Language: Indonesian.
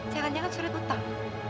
jangan jangan surat utang